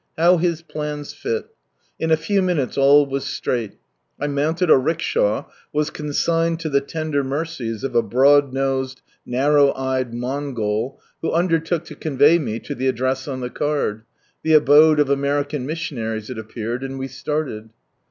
How His plans fit! In a few minutes all was straight. I mounted a rickshaw, was consigned to the lender mercies of a broad nosed, narrow eyed Mongol, who undertook to convey me to tiie address on the card, the abode of American missionaries it appeared, and we started.